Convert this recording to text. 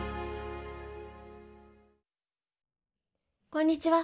こんにちは。